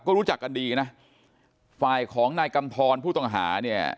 ก็รู้จักกันดีนะฝ่ายของนายกำทรผู้ต้องหาเนี่ย